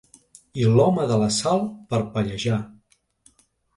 I l'home de la sal parpellejà.